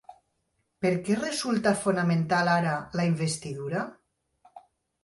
Per què resulta fonamental ara la investidura?